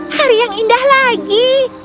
hari yang indah lagi